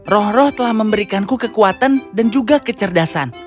roh roh telah memberikanku kekuatan dan juga kecerdasan